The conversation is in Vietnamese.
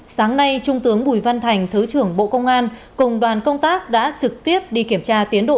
sáng nay trung tướng bùi văn thành thứ trưởng bộ công an cùng đoàn công tác đã trực tiếp đi kiểm tra tiến độ